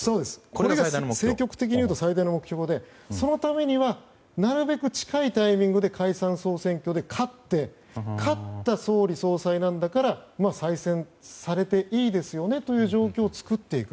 これが政局的には最大の目標でそのためには、なるべく近いタイミングで解散・総選挙で勝った総理総裁だから再選されていいですよねという状況を作っていく。